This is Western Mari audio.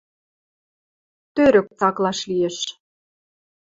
Тӧрӧк цаклаш лиэш: